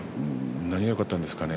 何がよかったんですかね